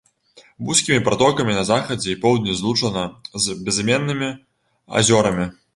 Вузкімі пратокамі на захадзе і поўдні злучана з безыменнымі азёрамі.